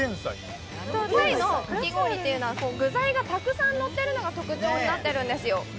タイのかき氷というのは具材がたくさんのってるのが特徴なんですよ。